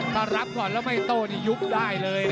ก็รับก่อนแล้วไม่โต้ยุบได้เลยนะ